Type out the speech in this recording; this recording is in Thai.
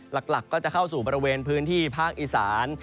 หลักก็จะเข้าสู่บริเวณพื้นที่ภาคอีสาน